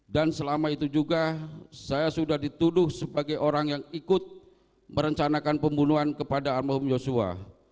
dan selama itu juga saya sudah dituduh sebagai orang yang ikut merencanakan pembunuhan kepada almarhum yosua